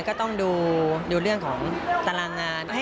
ก็ต้องดูเรื่องของตารางงาน